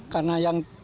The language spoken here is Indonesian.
karena yang maksimal